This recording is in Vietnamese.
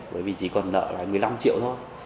bởi vì chỉ còn nợ là một mươi năm triệu thôi